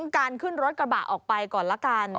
การขึ้นรถกระบะออกไปก่อนละกัน